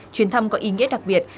chuyến thăm có ý nghĩa đặc biệt